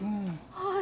はい。